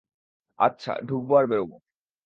আচ্ছা, ঢুকবো আর বেরোবো।